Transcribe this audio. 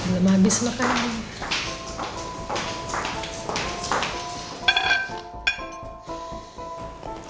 belum habis makan